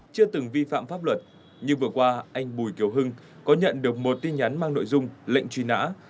nhưng vừa qua anh bùi kiều hưng có nhận được một tin nhắn mang nội dung lệnh truy nã